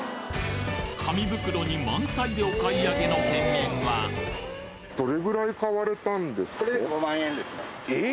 紙袋に満載でお買い上げの県民はえ！？